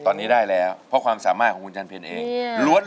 ตอนนี้ได้แล้วเพราะความสามารถของคุณจันเพ็ญเองล้วน